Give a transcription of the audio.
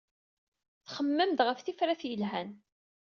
Txemmem-d ɣef tifrat yelhan.